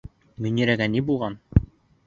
Мөнирәгә ни булған?